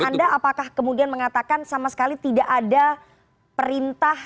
anda apakah kemudian mengatakan sama sekali tidak ada perintah